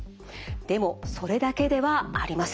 でもそれだけではありません。